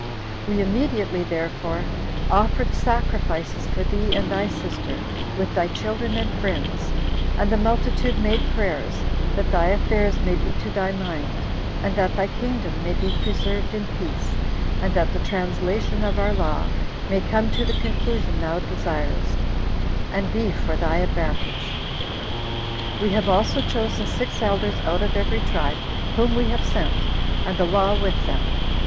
We immediately, therefore, offered sacrifices for thee and thy sister, with thy children and friends; and the multitude made prayers, that thy affairs may be to thy mind, and that thy kingdom may be preserved in peace, and that the translation of our law may come to the conclusion thou desirest, and be for thy advantage. We have also chosen six elders out of every tribe, whom we have sent, and the law with them.